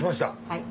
はい。